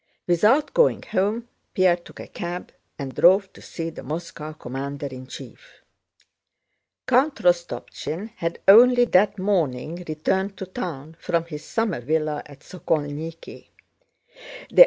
Without going home, Pierre took a cab and drove to see the Moscow commander in chief. Count Rostopchín had only that morning returned to town from his summer villa at Sokólniki.